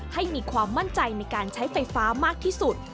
ให้มีความมั่นใจในการใช้ไฟฟ้ามากที่สุด